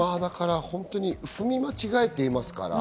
踏み間違えていますから。